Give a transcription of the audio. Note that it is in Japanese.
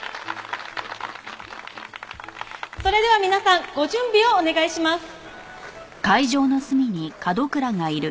それでは皆さんご準備をお願いします。